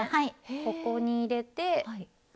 ここに入れて。